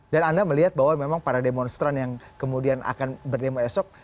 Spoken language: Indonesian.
dan anda melihat bahwa memang para demonstran yang kemudian akan berdemokrasi esok